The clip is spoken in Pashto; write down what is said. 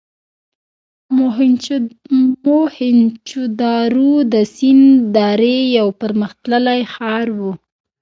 موهنچودارو د سند درې یو پرمختللی ښار و.